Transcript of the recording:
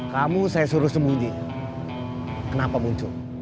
kamu saya suruh sembunyi kenapa muncul